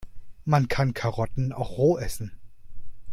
Man kann Karotten auch roh essen.